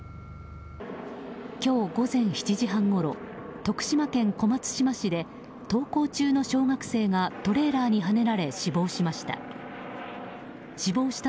今日午前７時半ごろ徳島県小松島市で登校中の小学生がトレーラーにはねられ死亡しました。